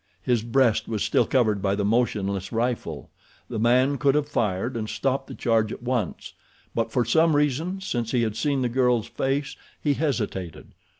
His breast was still covered by the motionless rifle. The man could have fired and stopped the charge at once; but for some reason, since he had seen the girl's face, he hesitated.